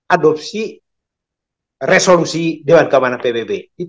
adopsi resolusi dewan keamanan pbb